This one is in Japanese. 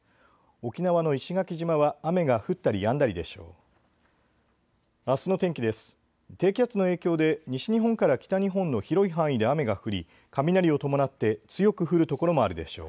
沖縄の石垣島は雨が降ったりやんだりでしょう。